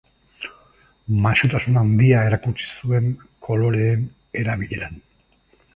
Maisutasun handia erakutsi zuen koloreen erabileran.